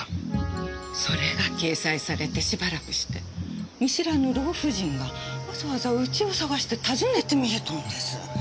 それが掲載されてしばらくして見知らぬ老婦人がわざわざ家を探して訪ねてみえたんです。